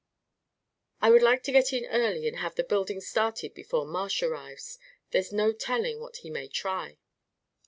"I would like to get in early, and have the buildings started before Marsh arrives. There's no telling what he may try."